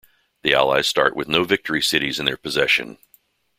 The allies start with no victory cities in their possession.